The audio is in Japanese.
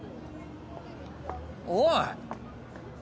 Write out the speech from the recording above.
おい！